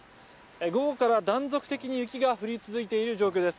午後から断続的に雪が降り続いている状況です。